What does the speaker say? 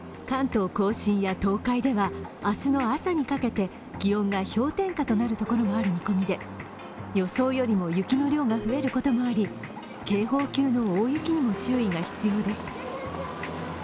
関東甲信や東海では明日の朝にかけて気温が氷点下となるところもある見込みで、予想よりも雪の量が増えることもあり、警報級の大雪にも注意が必要です。